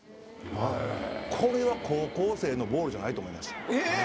これは高校生のボールじゃないと思いました。